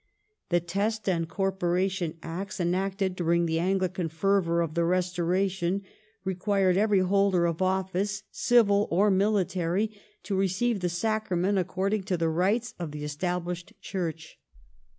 The Test and Corporation /,^^^^"'^'='* Lorpora Acts, enacted during the Anglican fervour of the Restoration, re tion Acts, quired every holder of office, civil or military, to receive the Sacra ^ ment according to the rites of the Established Church.